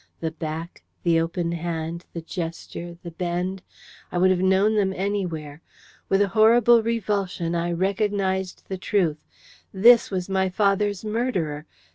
The back, the open hand, the gesture, the bend I would have known them anywhere. With a horrible revulsion I recognised the truth. This was my father's murderer!